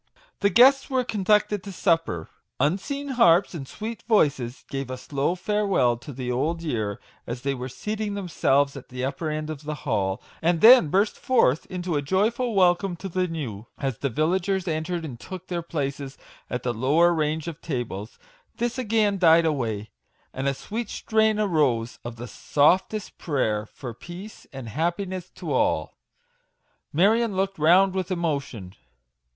The guests were conducted to supper : unseen harps, and sweet voices, gave a slow farewell to the old year, as they were seating themselves at the upper end of the hall, and then burst forth into a joyful welcome to the new, as the 50 MAGIC WORDS. villagers entered and took their places at the lower range of tables; this again died away, and a sweet strain arose, of the softest prayer, for peace and happiness to all ! Marion looked round with emotion.